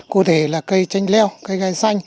cụ thể là cây chanh leo cây gai xanh